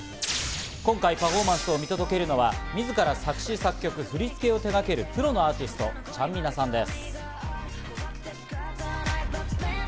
今回、パフォーマンスを見届けるのは自ら作詞、作曲、振り付けを手がけるプロのアーティスト・ちゃんみなさんです。